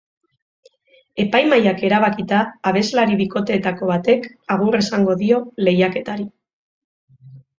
Epaimahaiak erabakita, abeslari bikoteetako batek agur esango dio lehiaketari.